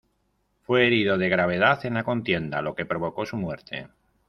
Fue herido de gravedad en la contienda, lo que provocó su muerte.